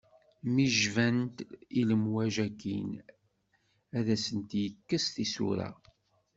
Mi jbant i lemwaj akin, ad asent-yekkes tisura.